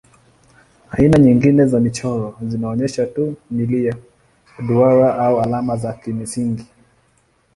Aina nyingine za michoro zinaonyesha tu milia, duara au alama za kimsingi.